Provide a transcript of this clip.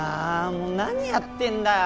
もう何やってんだよ